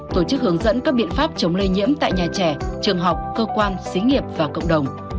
tổ chức hướng dẫn các biện pháp chống lây nhiễm tại nhà trẻ trường học cơ quan xí nghiệp và cộng đồng